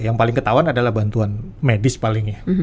yang paling ketahuan adalah bantuan medis palingnya